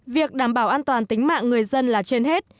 việc đảm bảo an toàn tính mạng người dân là trên hết